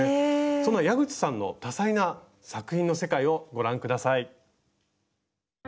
そんな矢口さんの多彩な作品の世界をご覧下さい。